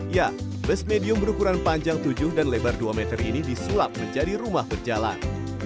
ya bus medium berukuran panjang tujuh dan lebar dua meter ini disulap menjadi rumah berjalan